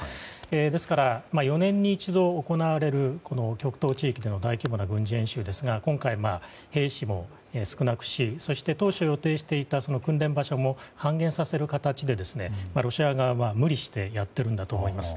ですから、４年に一度行われる極東地域での大規模な軍事演習ですから今回、兵士も少なくしそして、当初予定していた訓練場所も半減させる形でロシア側は無理してやっているんだと思います。